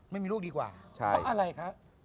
ไม่มีลูกดีกว่าใช่ใช่กว่าอะไรคะ